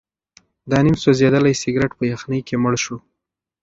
دا نیم سوځېدلی سګرټ په یخنۍ کې مړ شو.